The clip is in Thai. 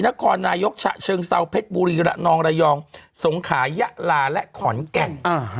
นครนายกฉะเชิงเซาเพชรบุรีระนองระยองสงขายะลาและขอนแก่น